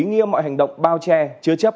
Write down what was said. nghiêm mọi hành động bao che chứa chấp